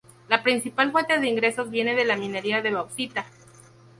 La principal fuente de ingresos viene de la minería de bauxita.